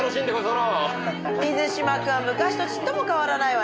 水嶋君昔とちっとも変わらないわね。